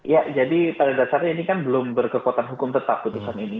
ya jadi pada dasarnya ini kan belum berkekuatan hukum tetap putusan ini